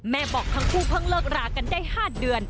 บอกทั้งคู่เพิ่งเลิกรากันได้๕เดือน